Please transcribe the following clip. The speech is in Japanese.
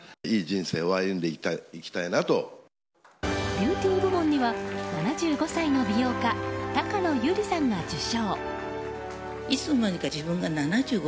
ビューティー部門には７５歳の美容家たかの友梨さんが受賞。